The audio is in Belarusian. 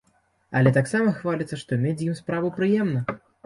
Але таксама хваліцца, што мець з ім справу прыемна.